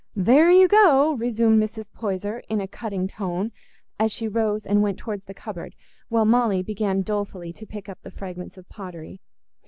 "There you go!" resumed Mrs. Poyser, in a cutting tone, as she rose and went towards the cupboard while Molly began dolefully to pick up the fragments of pottery.